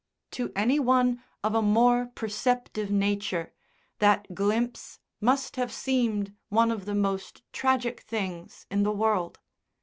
To any one of a more perceptive nature that glimpse must have seemed one of the most tragic things in the world.